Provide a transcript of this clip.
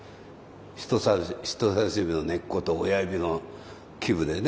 人さし指の根っこと親指のでね。